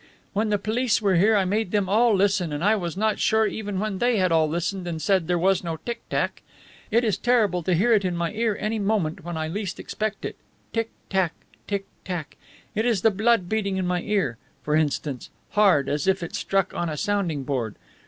When the police were here I made them all listen, and I was not sure even when they had all listened and said there was no tick tack. It is terrible to hear it in my ear any moment when I least expect it. Tick tack! Tick tack! It is the blood beating in my ear, for instance, hard, as if it struck on a sounding board.